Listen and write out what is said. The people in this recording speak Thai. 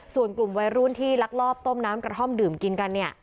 ส่วนกลุ่มวัยรุ่นที่ลักลอบต้มน้ำกระท่อมดื่มกินกันเนี่ย